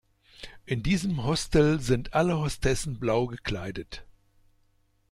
In diesem Hostel sind alle Hostessen blau gekleidet.